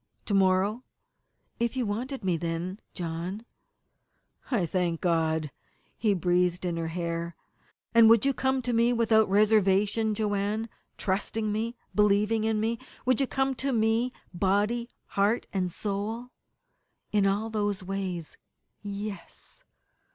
"To morrow?" "If you wanted me then, John." "I thank God," he breathed in her hair. "And you would come to me without reservation, Joanne, trusting me, believing in me you would come to me body, and heart, and soul?" "In all those ways yes."